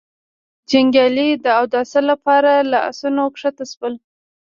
جنګيالي د اوداسه له پاره له آسونو کښته شول.